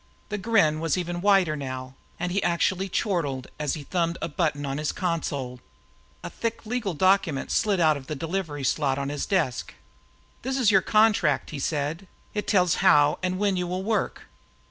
The grin was even wider now and he actually chortled as he thumbed a button on his console. A thick legal document slid out of the delivery slot onto his desk. "This is your contract," he said. "It tells how and when you will work.